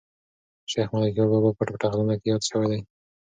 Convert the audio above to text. شیخ ملکیار بابا په پټه خزانه کې یاد شوی دی.